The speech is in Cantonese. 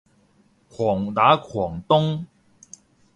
狂打狂咚